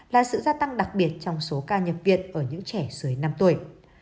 là sự gia tăng đặc biệt trong số ca nhập viện ở những trẻ dưới năm tuổi